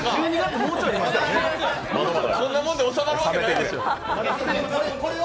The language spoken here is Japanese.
こんなもんで納まるわけないでしょう。